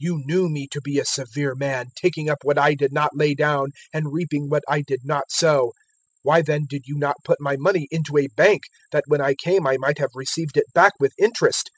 You knew me to be a severe man, taking up what I did not lay down, and reaping what I did not sow: 019:023 why then did you not put my money into a bank, that when I came I might have received it back with interest?